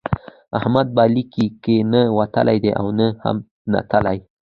احمد به لیک کې نه وتلی دی او نه هم نتلی.